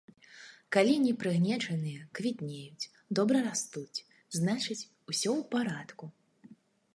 Калі не прыгнечаныя, квітнеюць, добра растуць, значыць, усё ў парадку.